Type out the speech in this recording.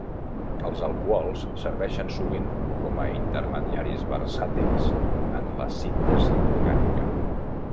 Els alcohols serveixen sovint com a intermediaris versàtils en la síntesi orgànica.